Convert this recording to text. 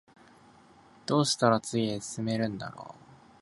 どうしたら次へ進めるんだろう